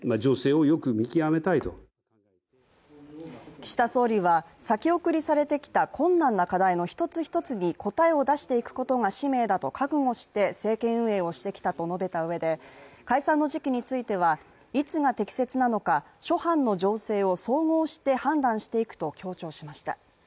岸田総理は先送りされてきた困難な課題の一つ一つに答えを出していくことが使命だと覚悟して政権運営をしてきたと述べた上で、解散の時期についてはいつが適切なのか、諸般の情勢を総合して判断していくと強調しました。